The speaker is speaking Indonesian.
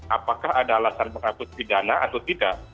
apakah ada alasan menghapus pidana atau tidak